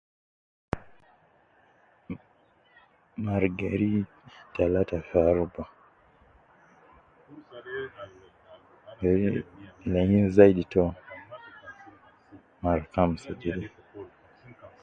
Mar geri talata fi aruba geri lain zaidi too mara kamsa jede